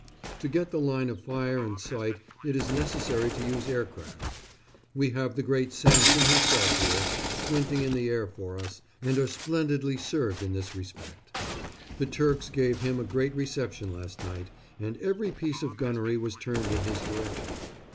To get the line of fire and sight it is necessary to use aircraft. We have the great Samson himself here, squinting in the air for us, and are splendidly served in this respect. The Turks gave him a great reception last night, and every piece of gunnery was turned in his direction.